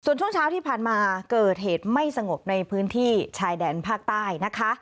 ส่วนช่วงเช้าที่ผ่านมาเกิดเหตุไม่สงบในพื้นที่ชายแดนภาคใต้นะคะ